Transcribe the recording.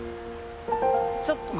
ちょっと。